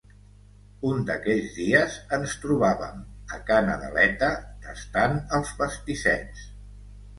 Un d'aquells dies ens trobàvem a Ca Nadaleta tastant els pastissets.